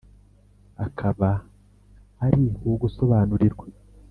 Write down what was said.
akaba ari uwo gusobanurirwa,